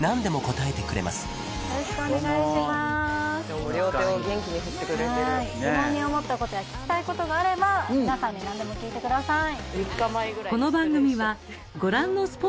どうもドーナツ会員疑問に思ったことや聞きたいことがあれば皆さんに何でも聞いてください